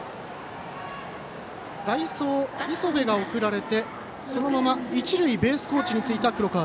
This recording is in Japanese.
代走、磯部が送られてそのまま一塁ベースコーチについた黒川。